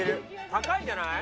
高いんじゃない？